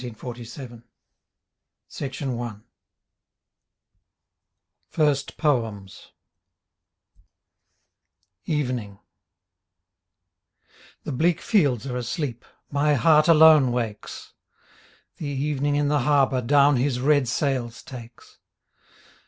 NEW YORK CITY, AUTUMN, I918. xxxvi FIRST POEMS EVENING The bleak fields are asleep. My heart alone wakes; TTie evening in the harbour Down his red sails takes.